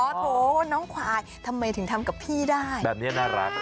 โอ้โหน้องควาย